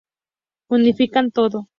Unifican todo.